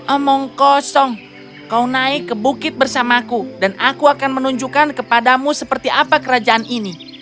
omong kosong kau naik ke bukit bersamaku dan aku akan menunjukkan kepadamu seperti apa kerajaan ini